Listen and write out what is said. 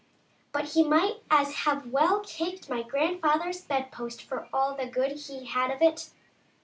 But he might as well have kicked my grandfather's bedpost for all the good he had of it.